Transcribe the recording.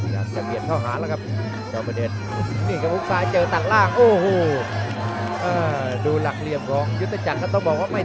ได้เดียวเพื่อหาล่ะครับเจ้าประเด็นนี่กระพุรุสายเจอตัดร่างโอ้โห